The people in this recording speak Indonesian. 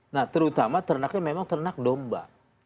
nah terutama ternaknya memang ternak domba